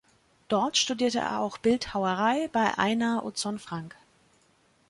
Dort studierte er auch Bildhauerei bei Einar Utzon-Frank.